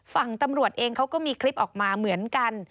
ฝั่งตำรวจเองเขาก็มีคลิปออกมาเหมือนกัน